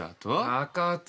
中津。